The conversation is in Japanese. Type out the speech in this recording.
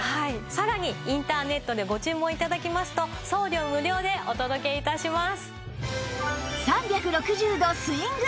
さらにインターネットでご注文頂きますと送料無料でお届け致します。